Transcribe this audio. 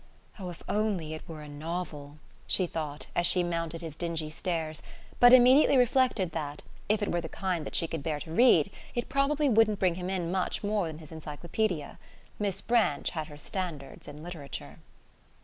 "Oh, if only it were a novel!" she thought as she mounted his dingy stairs; but immediately reflected that, if it were the kind that she could bear to read, it probably wouldn't bring him in much more than his encyclopaedia. Miss Branch had her standards in literature....